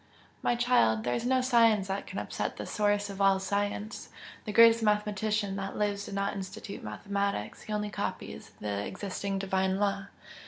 "My child, there is no science that can upset the Source of all science! The greatest mathematician that lives did not institute mathematics he only copies the existing Divine law."